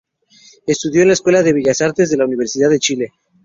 Estudió en la Escuela de Bellas Artes de la Universidad de Chile.